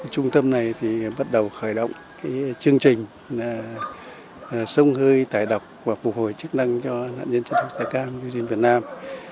trung tâm này bắt đầu khởi động chương trình sông hơi tải độc và phục hồi chức năng cho nạn nhân chất độc da cam dioxin việt nam